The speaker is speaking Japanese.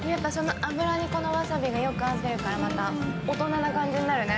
脂にこのわさびがよく合ってるから大人な感じがしますね。